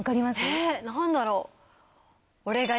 え何だろう？